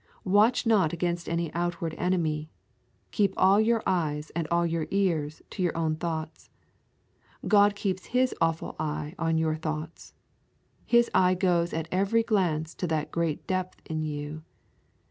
Watch not against any outward enemy, keep all your eyes and all your ears to your own thoughts. God keeps His awful eye on your thoughts. His eye goes at every glance to that great depth in you.